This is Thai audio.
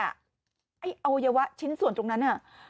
เอ่ยเอาเยาะชิ้นส่วนตรงนั้น